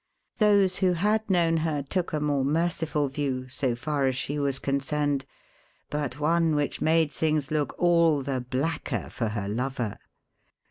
Those who had known her took a more merciful view so far as she was concerned, but one which made things look all the blacker for her lover.